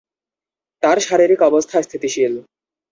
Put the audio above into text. তাঁর শারীরিক অবস্থা স্থিতিশীল।